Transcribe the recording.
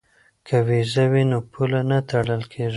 که ویزه وي نو پوله نه تړل کیږي.